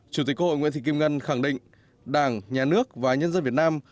chủ tịch hội nguyễn thị kim ngân khẳng định đảng nhà nước và nhân dân việt nam